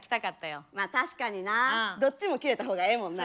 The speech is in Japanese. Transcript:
確かになどっちも着れた方がええもんな。